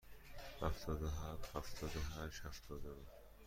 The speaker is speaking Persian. هفتاد و هفت، هفتاد و هشت، هفتاد و نه.